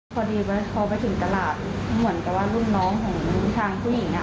พอดีพอไปถึงตลาดเหมือนกับว่ารุ่นน้องของทางผู้หญิง